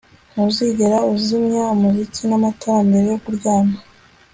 Ntuzigera uzimya umuziki namatara mbere yo kuryama